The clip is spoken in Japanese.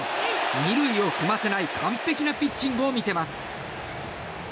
２塁を踏ませない完璧なピッチングを見せます。